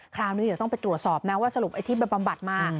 คราวนี้จะต้องไปตรวจสอบนะว่าสรุปที่บำบัดมา